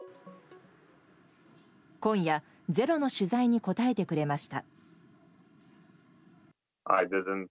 今夜、「ｚｅｒｏ」の取材に答えてくれました。